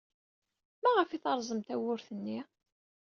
Maɣef ay terẓem tawwurt-nni?